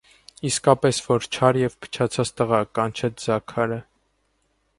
- Իսկապես որ չար և փչացած տղա,- կանչեց Զաքարը: